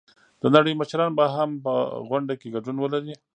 د نړۍ مشران به هم په غونډه کې ګډون ولري.